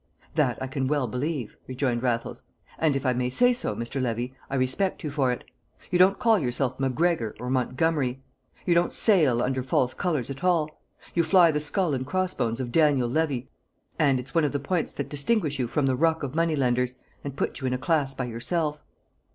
"That I can well believe," rejoined Raffles; "and if I may say so, Mr. Levy, I respect you for it. You don't call yourself MacGregor or Montgomery. You don't sail under false colours at all. You fly the skull and crossbones of Daniel Levy, and it's one of the points that distinguish you from the ruck of money lenders and put you in a class by yourself.